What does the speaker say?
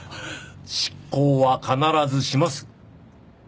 執行は必ずします。